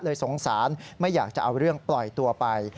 สงสารไม่อยากจะเอาเรื่องปล่อยตัวไป